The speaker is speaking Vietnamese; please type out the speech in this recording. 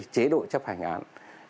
chế độ chấp hành án